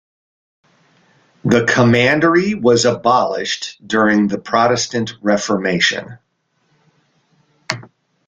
The commandery was abolished during the Protestant Reformation.